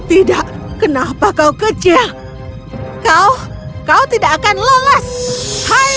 tidak kenapa kau kecil kau kau tidak akan lolos hai